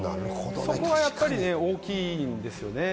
そこがやっぱ大きいんですよね。